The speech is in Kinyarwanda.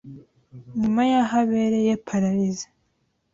nyuma y’aho abereye paralysis